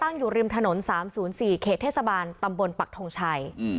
อยู่ริมถนน๓๐๔เขตเทศบาลตำบลปักทงชัย